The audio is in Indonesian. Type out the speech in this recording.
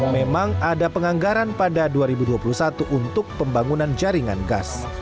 memang ada penganggaran pada dua ribu dua puluh satu untuk pembangunan jaringan gas